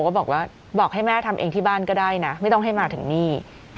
ก็บอกว่าบอกให้แม่ทำเองที่บ้านก็ได้นะไม่ต้องให้มาถึงนี่